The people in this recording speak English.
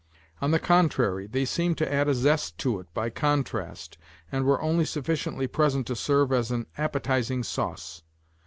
On the contrary, they seemed to add a zest to it by contrast, and were only sufficiently present to serve as an appetizing sauce.